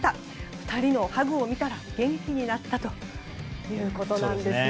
２人のハグを見たら元気になったということなんですね。